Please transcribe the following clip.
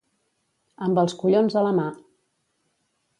Amb els collons a la mà.